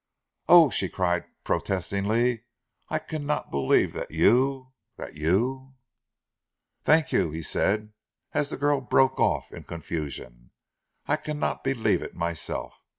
"Oh," she cried protestingly, "I cannot believe that you that you " "Thank you," he said as the girl broke off in confusion. "I cannot believe it myself.